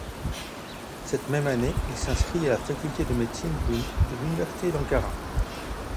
Cette même année, il s’inscrit à la Faculté de médecine de l’Université d'Ankara.